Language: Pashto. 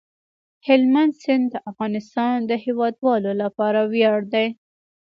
هلمند سیند د افغانستان د هیوادوالو لپاره ویاړ دی.